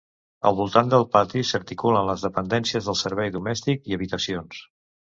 Al voltant del pati s’articulen les dependències del servei domèstic i habitacions.